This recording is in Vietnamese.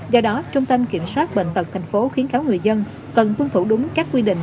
do đó trung tâm kiểm soát bệnh tật tp hcm khuyến cáo người dân cần tuân thủ đúng các quy định